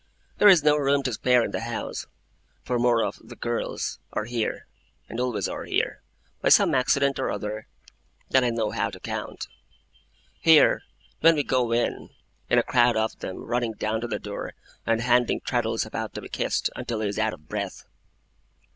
There is no room to spare in the house; for more of 'the girls' are here, and always are here, by some accident or other, than I know how to count. Here, when we go in, is a crowd of them, running down to the door, and handing Traddles about to be kissed, until he is out of breath.